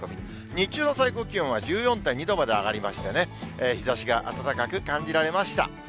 日中の最高気温は１４．２度まで上がりましてね、日ざしが暖かく感じられました。